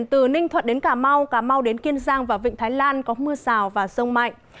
từ ninh thuận đến cà mau cà mau đến kiên giang và vịnh thái lan có mưa rào và rông mạnh